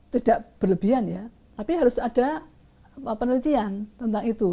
tidak berlebihan ya tapi harus ada penelitian tentang itu